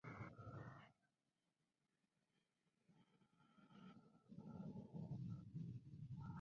Al-Rashid lo lanza de vuelta a las calles como un mendigo.